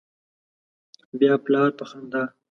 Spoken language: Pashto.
بیا پلار په خندا